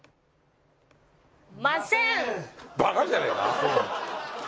バカじゃねえか！